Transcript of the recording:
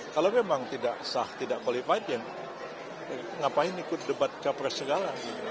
kalau memang tidak sah tidak qualified ya ngapain ikut debat capres segala